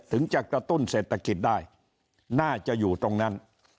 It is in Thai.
ถึงจะกระตุ้นเศรษฐกิจได้น่าจะอยู่ตรงนั้น